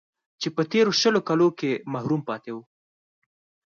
چې په تېرو شل کالو کې محروم پاتې و